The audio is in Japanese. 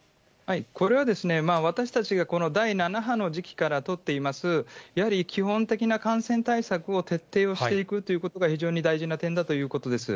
これはですね、まあ、私たちがこの第７波の時期から取っています、やはり基本的な感染対策を徹底をしていくということが、非常に大事な点だということです。